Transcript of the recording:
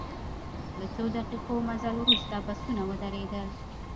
له څو دقیقو مزل وروسته بسونه ودرېدل.